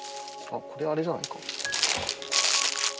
あっこれあれじゃないか？